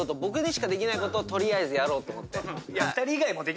僕にしかできないことを取りあえずやろうと思って。